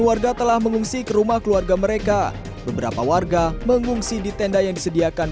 warga telah mengungsi ke rumah keluarga mereka beberapa warga mengungsi di tenda yang disediakan